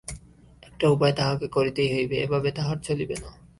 একটা উপায় তাহাকে করিতেই হইবে, এ ভাবে তাহার চলিবে না।